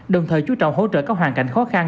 đồng thời chú trọng hỗ trợ các hoàn cảnh khó khăn